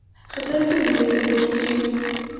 خطر څنګه پیژندل کیږي؟